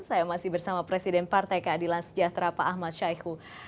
saya masih bersama presiden partai keadilan sejahtera pak ahmad syahiku